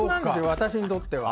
私にとって。